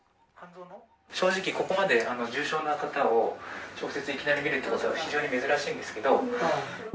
正直、ここまで重症な方を、直接いきなり診るというのは非常に珍しいんですけど。